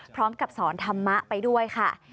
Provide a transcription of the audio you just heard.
พร้อมกับสอนธรรมะไปด้วยค่ะ